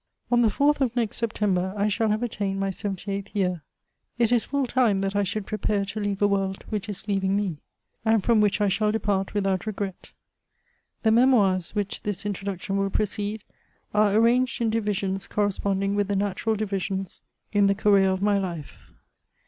On the 4th of next September, I shall haye attained my seventy eighth year. It b full time that I should prepare t« leave a world which lis leaving me, and from which I shall depart without regret. The Memoirs, which this introduction will precede, are arranged in divisions corresponding with the natural divisions in the career of my life.